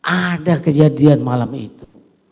ada kejadian malam itu